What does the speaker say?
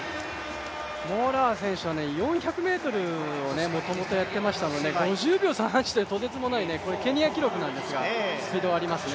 モラア選手は４００ｍをもともとやっていましたので５０秒３８というとてつもない、ケニア記録なんですが、スピードがありますね。